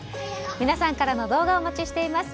皆さんからの動画をお待ちしています。